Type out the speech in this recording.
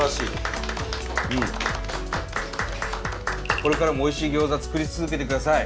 これからもおいしい餃子作り続けて下さい。